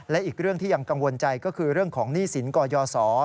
และอีกเรื่องที่ยังกังวลใจก็คือเรื่องของหนี้สินกยศ